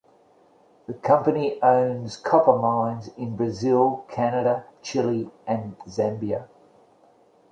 The company owns copper mines in Brazil, Canada, Chile, and Zambia.